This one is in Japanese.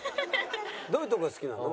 どういうとこが好きなの？